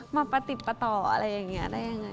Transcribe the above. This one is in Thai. มาประติดประต่ออะไรอย่างนี้ได้ยังไง